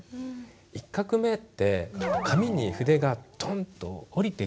１画目って紙に筆がトンと下りてくる感じ。